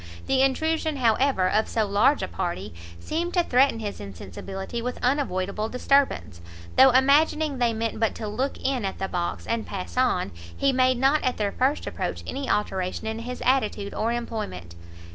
The intrusion, however, of so large a party, seemed to threaten his insensibility with unavoidable disturbance; though imagining they meant but to look in at the box, and pass on, he made not at their first approach any alteration in his attitude or employment.